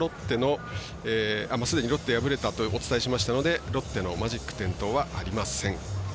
すでにロッテが敗れたとお伝えしましたのでロッテのマジック点灯はありません。